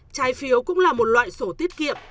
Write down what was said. trái phiếu cũng là một loại sổ tiết kiệm